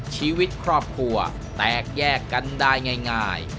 ชีวิตครอบครัวแตกแยกกันได้ง่าย